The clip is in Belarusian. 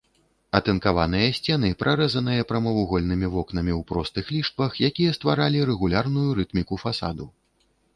Атынкаваныя сцены прарэзаныя прамавугольнымі вокнамі ў простых ліштвах, якія стваралі рэгулярную рытміку фасаду.